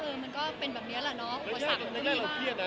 เออมันก็เป็นแบบเนี้ยแหละเนอะ